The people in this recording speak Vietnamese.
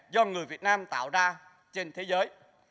do người việt nam tạo ra trên thế giới